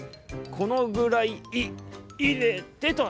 このぐらいいいれてと」。